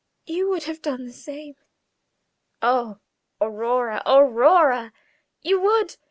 "You would have done the same." "Oh, Aurora, Aurora!" "You would.